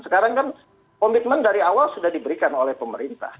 sekarang kan komitmen dari awal sudah diberikan oleh pemerintah